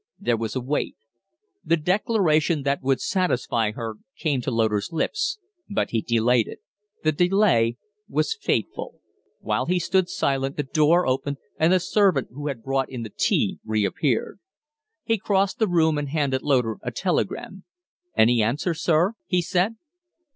There was a wait. The declaration that would satisfy her came to Loder's lips, but he delayed it. The delay, was fateful. While he stood silent the door opened and the servant who had brought in the tea reappeared. He crossed the room and handed Loder a telegram. "Any answer, sir?" he said.